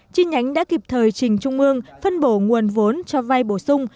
chi nhánh đã kịp thời chỉnh trung mương phân bổ nguồn vốn cho vai bổ sung